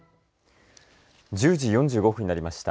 １０時４５分になりました。